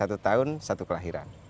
satu tahun satu kelahiran